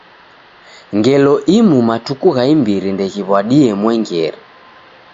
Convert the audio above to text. Ngelo imu matuku gha imbiri ndeghiw'adie mwengere.